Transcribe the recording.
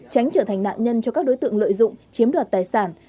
tránh trở thành nạn nhân cho các đối tượng lợi dụng chiếm đoạt tài sản